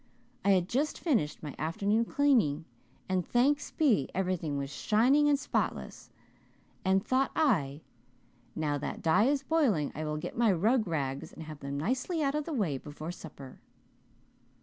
I had just finished my afternoon cleaning and thanks be, everything was shining and spotless; and thought I 'now that dye is boiling and I will get my rug rags and have them nicely out of the way before supper.'